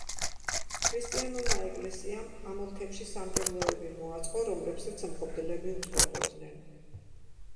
ქრისტიანულმა ეკლესიამ ამ ოლქებში სამრევლოები მოაწყო, რომლებსაც მღვდლები უძღვებოდნენ.